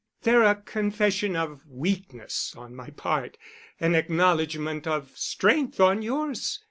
They're a confession of weakness on my part—an acknowledgment of strength on yours.